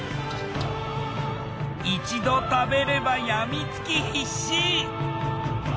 一度食べればやみつき必至。